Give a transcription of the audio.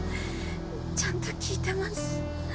ちゃんと聞いてます。